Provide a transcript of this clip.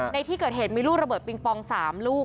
ในที่เกิดเหตุมีลูกระเบิดปิงปอง๓ลูก